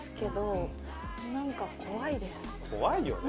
怖いよね。